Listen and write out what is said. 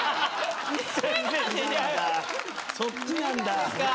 そっちなんだ。